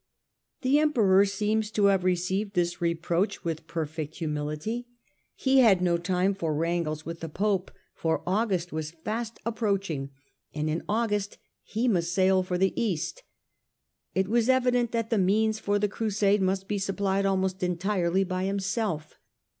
The Emperor seems to have received this reproof with perfect humility. He had no time for wrangles with the Pope, for August was fast approaching and in August he must sail for the East. It was evident that the means for the Crusade must be supplied almost entirely by himself.